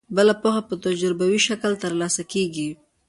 بله پوهه په تجربوي شکل ترلاسه کیږي.